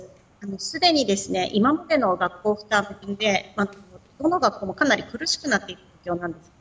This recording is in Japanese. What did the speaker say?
すでに今までの学校負担でどの学校もかなり苦しくなっている状況です。